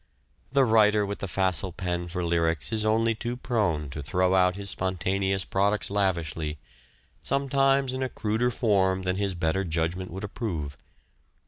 The writer with the facile pen for lyrics is only too prone to throw out his spontaneous products lavishly, some times in a cruder form than his better judgment would approve.